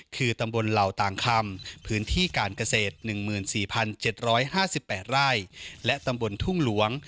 คือตำบลเหล่าต่างคำพื้นที่การเกษตร๑๔๗๕๘ไร่และตำบลทุ่งหลวง